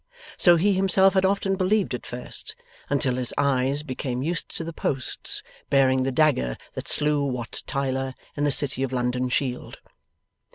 So he himself had often believed at first, until his eyes became used to the posts, bearing the dagger that slew Wat Tyler, in the City of London shield.